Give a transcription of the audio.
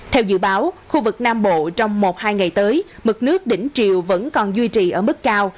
theo dự báo khu vực nam bộ trong một hai ngày tới mực nước đỉnh triều vẫn còn duy trì ở mức cao